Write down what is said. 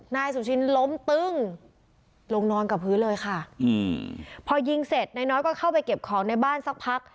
นายสุชินล้มตึ้งลงนอนกับพื้นเลยค่ะอืมพอยิงเสร็จนายน้อยก็เข้าไปเก็บของในบ้านสักพัก